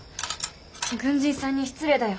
軍人さんに失礼だよ。